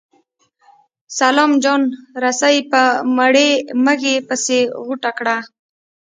سلام جان رسۍ په مړې مږې پسې غوټه کړه.